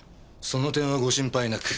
その点はご心配なく。